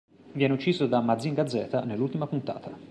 Viene ucciso da Mazinga Z nell'ultima puntata.